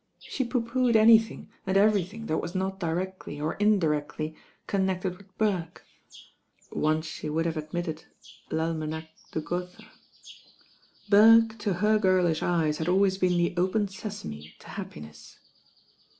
She pooh poohed anything and everything that was not directly or md ectly connected with Burke (once she would have admitted "L'Ahnanach dje Gotha") Burke to her girlish eyes had always been the open sesame to happiness.